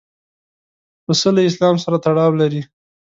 پسه له اسلام سره تړاو لري.